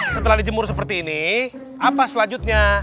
setelah dijemur seperti ini apa selanjutnya